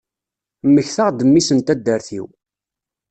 Mmektaɣ-d mmi-s n taddart-iw.